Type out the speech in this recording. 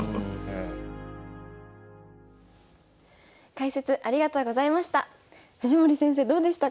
解説ありがとうございました。